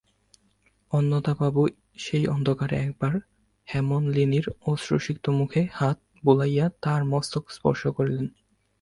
অন্নদাবাবু সেই অন্ধকারে একবার হেমনলিনীর অশ্রুসিক্ত মুখে হাত বুলাইয়া তাহার মস্তক স্পর্শ করিলেন।